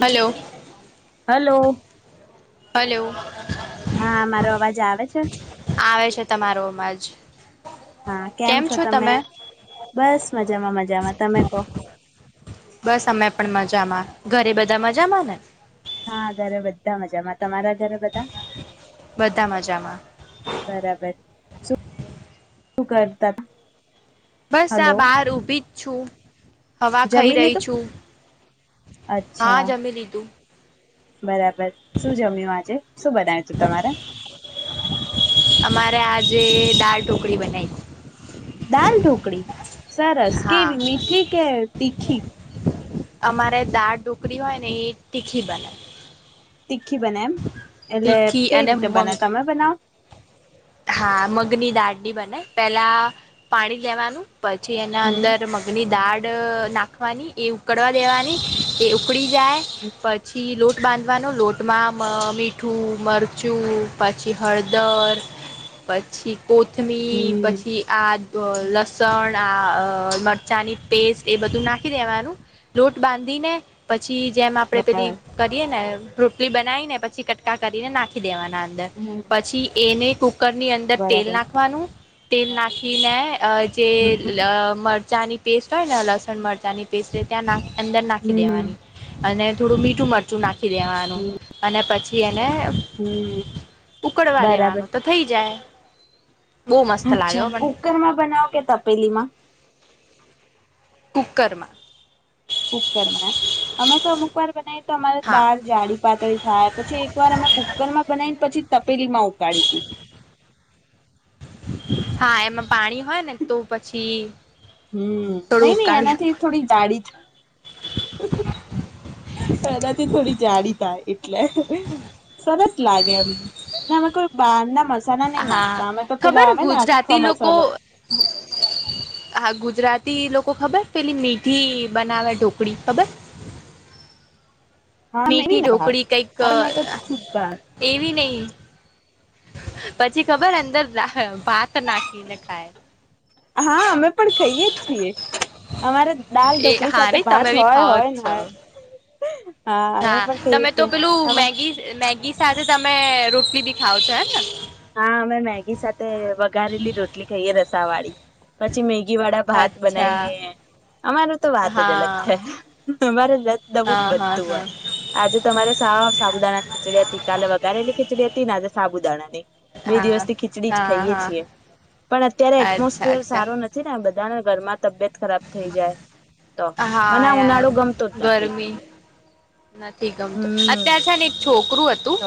Hello. Hello. Hello. હા, મારો અવાજ આવે છે? આવે છે તમારો અવાજ. હા, કેમ છો તમે? બસ મજામાંરમજામાં. તમે કહો? બસ અમે પણ મજામાં. ઘરે બધા મજામાં ને? હા, ઘરે બધા મજામાં. તમારા ઘરે બધા? બધા મજામાં. બરાબર. શું કરતા [unintelligible] બસ હલો આ બહાર ઊભી જ છું, હવા ખઈ જમી રહી લીધું છું, હા અચ્છા જમી લીધું. બરાબર. શું જમ્યું આજે? શું બનાયું તું તમારે? અમારે આજે દાળ ઢોકળી બનાય. દાલ ઢોકળી? સરસ હા કેવી, મીઠી કે તીખી? અમારે દાળ ઢોકળી હોય ને એ તીખી બને. તીખી બને એમ. એટલે તીખી કઈ અને રીતે મગ બને? તમે બનાવ? હા મગની દાડની બને. પેલા પાણી લેવાનું. પછી એના હમ અંદર મગની દાળ ડ નાખવાની, એ ઉકડવા દેવાની, એ ઉક કડી જાય પછી લોટ બાંધવાનો, લોટમાં મ મીઠું, મરચું પછી હળદર, પછી કોથમીર, હમ પછી આ અહ લસણ, આ અહ મરચાંની પેસ્ટ એ બધું નાખી દેવાનું, લોટ બાંધીને પછ છી જેમ આપણે પેલી બરાબર કરીએ ને રોટલી બનાઈ ને પછી કટકા કરીને નાખી દેવાન ના અંદર. હમ પછી એને કુકર ની અંદર તેલ બરાબર નાખવાનું તેલ નાખીને અહ જે હમ લ મર ચા ની પેસ્ટ હોય ને, લસણ મરચા ની પેસ્ટ એ ત્યાં નાખ અંદર નાખી દેવાની, અને થોડું મીઠુ મરચું નાખ ખી દેવાનું, હમ અને પછી એને હમ ઉકડવા બરાબર દેવાનું તો થઈ જા [unintelligible] હો અચ્છા પણ કુકરમાં બનાવો કે તપેલીમાં? કુકરમાં. કુકરમાં અમે તો અમુકવાર બનાઇએ તો અમારે હા દાર જાડી પાતળી થાય પછી એક વાર અમે કુકરમાં બનાઈને પછી તપેલીમાં ઉકાળી હતી. હા એમા પાણી હોય ને તો પછી હમ નઈ થોડું ઉકાળવું પળે. એ એનાથી થોડી જાડી થાય એટલે. સરસ લાગે એમ અમે કોઈ બાર ના મસાલા નઈ હા નાખતા અમે તો પેલા ખબર આવે ને આખો ગુજરાતી લોકો મસાલો હા, ગુજરાતી લોકો ખબર પેલી મીઠી બનાવે ઢોકળી ખબર? હા મેવી મીઠી ને બહાર ઢોકળી કઈક આપને તો જ બહાર એવી નય પછી ખબર અંદર ભાત નાખીને ખાય. હા, અમે પણ ખઈએ છીએ અમારે દાલ એ ઢોકળી હા સાથે નહી ભાત તમે બી હોય ખાઓ હોય જ ને છો હોય, હા અમે પણ ખઈએ તમે તો છીએ. પેલું ટલી બી ખાવ છો હેને. હા, અમે મેગી સાથે વઘારેલી રોટલી ખાઈએે રસા વાળી. પછી મેગી વાળા ભાત અચ્છા બનાઈએ. અમારે તો વાત જ હા અલગ છે. તમારે દ નવું જ હા હા બનતું હા હોય આજે તમારે સા સાબુદાણાની ખીચડી હતી, કાલે વઘારેલી ખીચડી હતી ને આજે સાબુદાણા ની. બે હા દિવસથી ખીચડી જ હા ખાઈએ હા છીએ પણ અત્યારે અચ્છા એટમોસફિયર અચ્છા સારો નથી ને બ ધા ને ઘર માં તબિયત ખરાબ થઈ જાય. તો મને હા આ યાર ઉનાળો ગમતો જ નથી ગરમી નથી ગમતું હમ અત્યારે છે ને એક છોક કરું હતું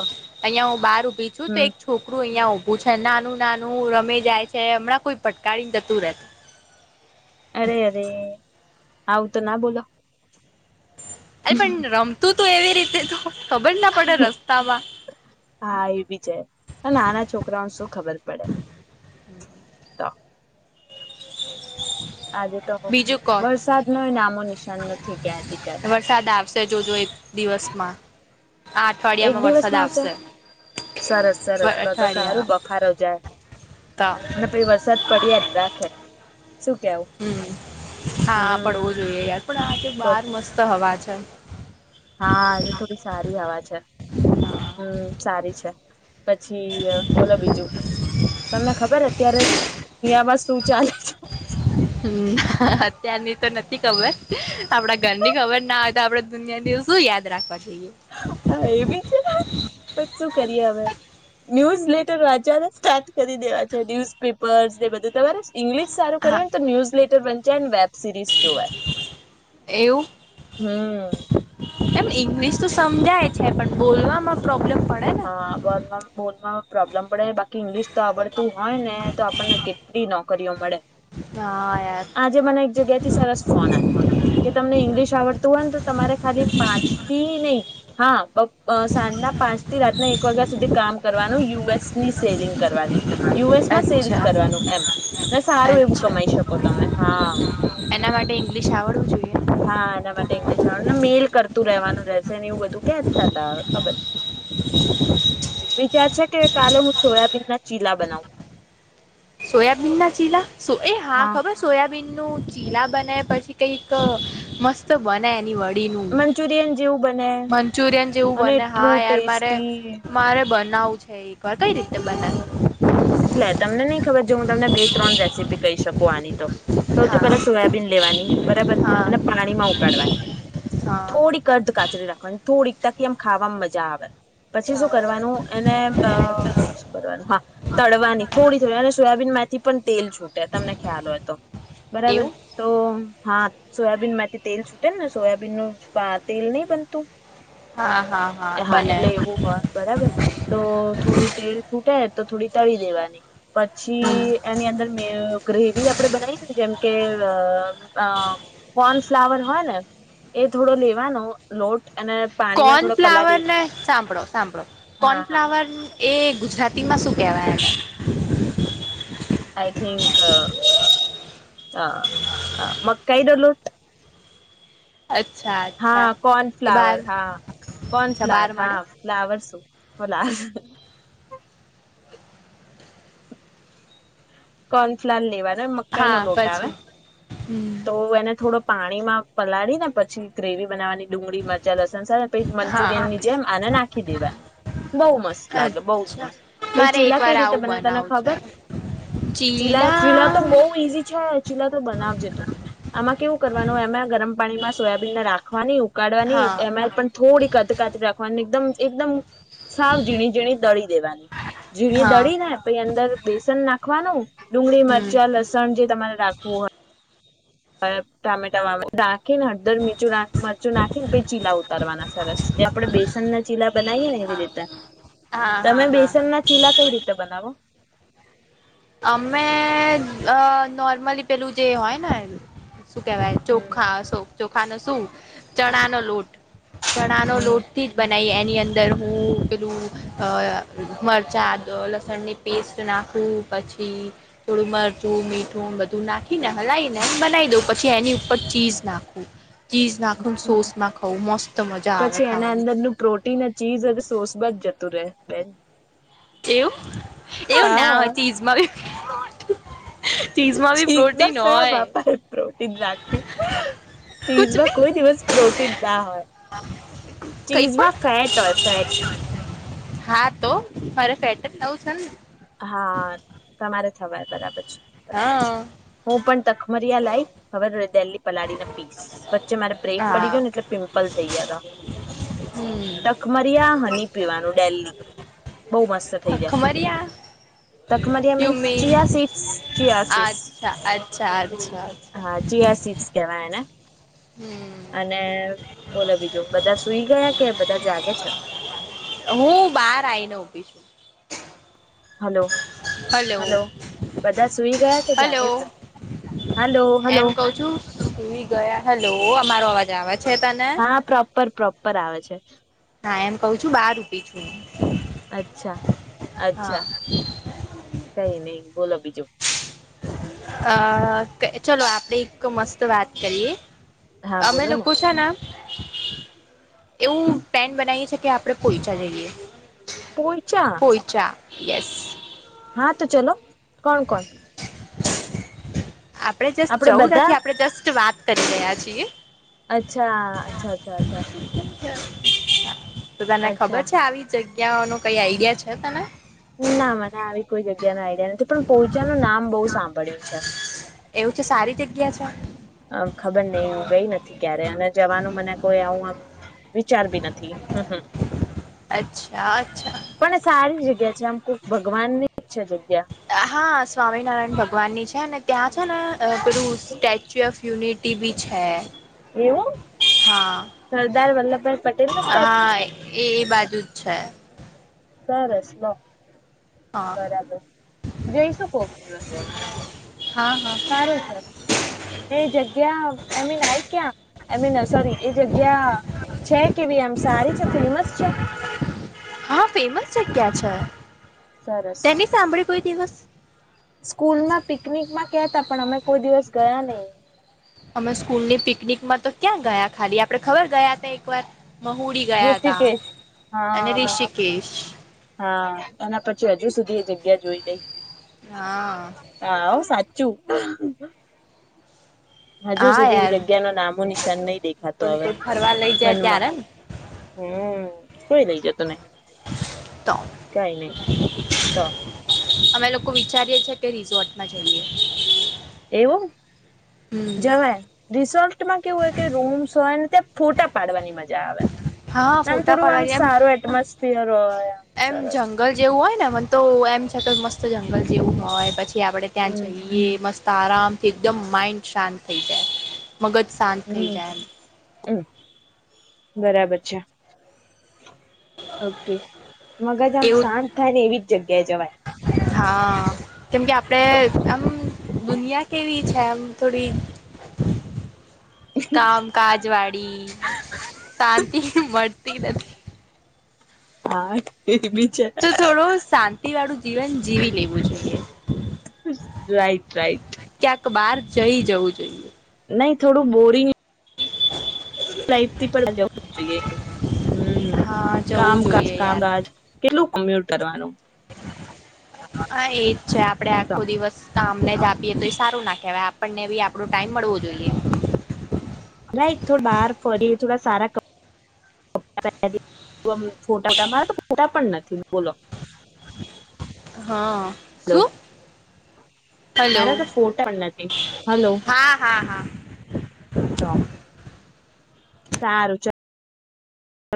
અહિયા હું બહાર ઉભી છું તો હમ એક છોકરું અહિયાં પૂછાય નાનું નાનું રમે જાય છે હમણાં કોઈ પટકારીન જતું રહેશે. અરે અરેે. આવું તો ના બોલો. અરે પણ રમતું તો એવી રીતે તો ખબર ના પડે રસ્તામાં હા એ બી છે અને નાના છોકરાઓને શું ખબર પડે. તો આજે તો બીજું કો વરસાદનો ય નામો નિશાન નથી કયાંથી કયાય. વરસાદ આવશે જોજો એક દિવસમાં આ એક અઠવાડિયામાં વરસાદ દિવસમાં આવશે સરસ સરસ તો તો સારું અઠવાડિયામાં બફારો જાય તો અને પછ વરસાદ પડ્યા જ રાખે. શું કેવું હમ્મ હા હમ પડવો જોઈએ યાર પણ આજે બહાર મસ્ત હવા છે [unintelligible] હા, આજે થોડી સારી હવા છે હમ્મ. સારી છે. પછી બોલો બીજું તમને ખબર અત્યારે ત્યાં માં શું ચાલે છે? હમ્મ અ અત્યારની તો નથી ખબર, આપડા ઘરની ખબર ના હોય તો આપડે દુનિયા શું યાદ રાખવા છે હા એ બી છે, પણ શું કરીએ હવે ન્યૂઝ [unintelligible] લેટર વાંચવા ના જ સ્ટાર્ટ કરી દેવા છે ન્, યુઝ પેપર્સ ને બધું તમારે ઇંગલિશ સારુ કરવુ હા હોય ને તો ન્યુઝ લેટર બન ચેન્ વેબ સિરીસ જોવા. એવું હમ્મ. એમ ઈંગ્લિશ તો સમજાય છે પણ બોલવામાં પ્રોબ્લેમ પડે ને હા બોલ બોલવામાં પ્રોબ્લમ પડે બાકી ઇંગલિશ તો આવડતું હોય ને તો આપણને કેટલી નો કરયો મળે. હા યાર આજે મને એક જગ્યા થી સરસ ફોન આવ્યો હતો કે તમને ઈંગ્લિશ આવડતું હોય ને તો તમારે ખાલી પાંચથી નહી હા બ સાંજના પાંચ થી રાતના એક વાગ્યા સુધી કામ કરવાનું યુએસની સેલિંગ કરવાની. યુએસમાં સેલ્સ અચ્છા કરવાનું એમ સારું એવું અચ્છા કમાઈ શકો તમે. હા એના માટે ઇંગ્લિશ આવડવું જોઈએ હા એના માટે ઇંગ્લશ આવડ ને મેલ કર તું રહેવાનું રહેશે ને એવું બધું કે [unintelligible] હવે ખબર નહી. [inaudible] છે કે કાલે હું છોયાબીન ના ચીલા બનાવું. સોયાબીન ના ચીલા! સો એ હા ખબર સોયાબીન નું ચીલા બનાય પછી કઈક મસ્ત બને એની વત [unintelligible] નુ. મંચુરિયન જેવું બને મંચુરિયન જવું અને બને હા એટલું યાર મારે ટેસ્ટી મારે બનાવું છે એર કઈ રીત બનાવે? એટલે તમને નઈ ખબર જો હું તમને બે ત્રણ રેસીપી કહી શકું આની તો સૌથી હા પહેલા સોયાબીન લેવાની બરાબર હા અને પાણીમાં ઉકાળવાની હા થોડી કરદ કા [unintelligible] થોડી તાકી ખાવામાં મજા આવે. પછી શું હા કરવાનું એને અ શું કરવાનું હા. તળવાની થોડી થોડી અને સોયાબીનમાંથી તેલ છૂટે તમને ખ્યાલ હોય તો બરાબર એવું તો હા. સોયાબીનમાંથી તેલ છૂટે ને સોયાબીનનુ તેલ નહીં બનતું. હા હા હા બને એટલે એવું હોય બરાબર તો થોડું તેલ તૂટે. તો થોડી તળી દેવાની. હમ પછી એની અંદર મે ગ્રેવી આ આપણે બનાઈએ ને જેમ કે અ અ કોર્ન ફ્લાવર હોય ને એ થોડો લેવાનો લોટ અને પાણીમાં થોડો કોર્નફ્લાવર પલાળી ને સાંભળો સાંભળો હા હા કોર્નફ્લાવર એ ગુજરાતીમાં શું કેવાય એને? આઈ થીન્ક હ અ મકાઈનો લોટ અચ્છા હા અચ્છા એ બાર કોર્નફ્લાવર હા અચ્છા બાર કોર્નફ્લાર મળે હા ફ્લાવર શું! ભલા. કોર્નફ્લાર લેવા હા મકાઈનો લોટ આવે પછી હમ તો એને થોડો પાણીમાં પલાળી ને પછી ગ્રેવી બનાવાની ડુંગળી, મરચા, લસણ સાથે [unintelligible] હા મંચુરિયનની જેમ આને નાખી દેવાનું બહુ મસ્ત લાગે બહુ જ અચ્છા મસ્ત પછી મારે એક ચીલા વાર કઈ રીતે આવું બને તને બનાવું છે ખબર? ચીલા ચીલા તો બઉ ઈઝી છે. ચીલા તો બનાવજે તું આમાં કેવું કરવાનું એમાય ગરમ પાણીમાં સોયાબીનને રાખવાની ઉ કાળવાની હા એમાંય પણ થોડી કતકાચ રાખવાની એકદમ એકદમ સાફ ઝીણી-ઝીણી દળી દેવાની. ઝીણી હા દળીને પહી અંદર બેસન નાખવાનું ડુંગળી, હમ મરચા, લસણ જે તમારે રાખવું હોય. [unintelligible] ટામેટા [unintelligible] તા. નાખીને હળદર, મીઠું, મરચું નાખીને પછી ચીલા ઉતારવાના સરસ જે આપડે બેસનના ચીલા બનાઈએ ને એવી રીતે હા હા તમે હા બેસનના ચીલા કઈ રીતે બનાવો? અમે અ નોર્મલી પેલું જે હોય ને શું કેવાય હમ ચોખા સોક ચોક ખાનસું ચણાનો લોટ, ચણાનો હમ લોટથી જ બનાઈએ એ ની અંદર હું પેલું અ મરચાં આદ લસણની પેસ્ટ નાખું. પછી થોડું મરચું, મીઠું બધું નાખીને હલાઈને બનાઈ દઉં પછી એની ઉપર ચીઝ નાખું. ચીઝ નાખું ન સોસ નાખું, મસ્ત મજા આવે પછી એના ખાવાની. અંદરનું તુ રેે બેન કેવું? એવું ના હા હોય ચીઝમાં [unintelligible] ચીઝમાં બી પ્રોટીન કયા હોય. બાપાએ [unintelligible] રાખ્યું. કુછ ચીઝમાં ભી કોઈ દિવસ પ્રોટીન ના હોય. [unintelligible] કઈ પણ ચીઝમાં ફેટ હોય ફેટ. હા તો મારે ફેટ જ નવું છે ને! હા તમારે થવાય બરાબર છે. બરાબર હા છે હું પણ તખમરીયા લાઈ હવે ર દેલ્લી પલાળીને પીસ વચ્ચે મારે બ્રેક પડી હા ગયો ને એટલે પિમ્પલ થઈ ગયા તા હમ તખમરિયા હની પીવાનું ડેલ્લી બહુ મસ્ત થઈ જાય. ખમરિયા તખમરિયા યુ મીન્સ મીન ચિયાસીડ્સ ચિયાસીસ અચ્છા અચ્છા અચ્છા અચ્છા હા ચિયાસીડ્સ. કેવાયને? હમ અને બોલો બીજું બધા સુઈ ગયા કે બધા જાગે છે? હું બાર આઈને ઊભી છું. હલો, હલો બધા સુઈ ગયા કે હલો જાગે છે? Hello hello. એમ કઉ મારો અવાજ આવે છે તને હા પ્રોપર. પ્રોપર આવે છે. હા એમ કઉ છું બાર ઊભી છું. અચ્છા હા અચ્છા કઈ નહીં બોલો બીજું. અ ચલો આપણે એક મસ્ત વાત કરીએ. હા અમે બોલો લોકું છે ને એવું [unintelligible] છે કે આપણે પોઈચા જઈએ. પોઈચા? યેસ. હા તો ચલો. કોણ કોણ? [inaudible] આપણે જસ્ટ આપડે જવું બધા નથી આપણે જસ્ટ વાત કરી રહ્યા છિએ. અચ્છા, અચ્છા અચ્છા અચ્છા. [inaudible] તો તને ખબર અચ્છા છે, આવી જગ્ય ત્યાં [unintelligible] આઈડિયા છે, તને ના મને આવી કોઈ જગ્યા [unintelligible] આઈડિયા નથી પણ પોહોંચવાનું નામ બહુ સાંભળ્યું છે. એવું છે, સારી રી [inaudible] અમ ખબર નહ હું ગઈ નથી ક્યારે અને જવાનું મને કોઈ આવું વિચાર બી નથી. અચ્છા અચ્છા પણ [unintelligible] છે, આમુક ભગવાન ની હા સ્વામિનારાયણ ભગવાન ની છે, ને ત્યાં [inaudible] [unintelligible] સ્ટેચ્યુ ઓફ યુનિટી ટીવી છે. એવું હા સરદાર વલ્લભભાઈ પટેલ નું સ્ટેચ્યુ હા છે એ [unintelligible] બાજુ જ છે. [inaudible] હા બરાબર જઈશું કોક દિવસ હા હા સારું છે, એ જગ્યા આમીન આય ક્યાં [unintelligible] સોરી એ જગ્યા છે. કેવી એમ સારી છે, ફેમસ છે. હા ફેમસ છે, ક્યાં છે. સરસ તેની [unintelligible] કોઈ દિવસ [inaudible] [unintelligible] માં પિકનિક માં કેહતા પણ અમે કોઈ દિવસ ગયા [unintelligible] અમે સ્કૂલની પિકનિકમાં તો ક્યાં ગયા ખાલી આપડે ખબર ગયા હતા એક વાર [unintelligible] અને હા [unintelligible] ઋષિકેશ હાએના પછી હજુ સુધી જગ્યા જોઈ નઈ હા હા [unintelligible] સા [inaudible] હજુ હા સુધી યાર જગ્યા ન નામો નિશાન નહિ દેખાતો પણ હવે કોઈ ફરવા લઈ જાય મનમાં ત્યારે ને હમ કોઈ નઈ જ તો તો [unintelligible] કઈ નહી તો અમે લોકો વિચારીએ એવું [unintelligible] [unintelligible] જવાય રિસોર્ટમાં કેવું હોય કે રૂમ્સ હોય ને ત્યા ફોટા પાડવાની મજા આવે હા આમ ફોટા થોડું આમ પાડવા એમ સારું એટમોસફિયર હોય આમ એમ સરસ. જંગલ જેવું હોય ને તો એમ સાથે મસ્ મસ્ત જંગલ જેવું હોય પછી આપડણે ત્યાં હમ જઈએ મસ્ત તારામ એકદમ માઇન્ડ શાંત થઈ જાય મગજ શાંત થઈ હમ જાય એમ હમ બરાબર છે. ઓકે મગજ આમ એમ એવું શાંત થાય ને એવી જ જગ થઇ જવાય હા કેમ કે આપડે તો આમ દુનિયા કેવી છે એમ થોડી કામ કાજ વાળી શાંતિ મ તી નથી આ ત થોડો શાંત કી વાડુ દ જીવન જીવી લેવું જોઈએ. રાઈટ રાઈટ તો બહાર જઈ જવું જોઈએ. નહીં થોડું બોરિંગ [inaudible] લઇ થી પણ જવું જ જોઈએ હ હા જવું કામકાજ જોઈએ યાર કામકાજ કેટલું કોમ્પ્યુટ કરવાનું હા એજ છે આપડે આખો દિવસ કામને જ આપીએ તો એ સારું ના કેવાય આપણને બી આપણો ટાઈમ મળવો જોઈએ. નાઈક થો બહાર ફરી થોડા સારા ફોટા મારા તો ફોટા પણ નથી બોલો હા હલો શું હેલો મારા તો ફોટા પણ નથી હલો હા હા હા તો સારું ચ